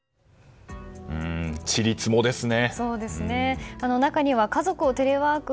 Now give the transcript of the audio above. ちりつもですね。